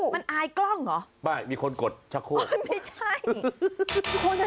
มันอาร์ยกล้องเหรอไม่มีคนกดชักโภคไม่ใช่